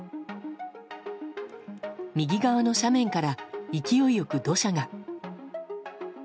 右側の斜面から勢いよく土砂が。